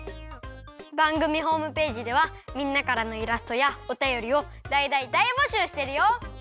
ばんぐみホームページではみんなからのイラストやおたよりをだいだいだいぼしゅうしてるよ！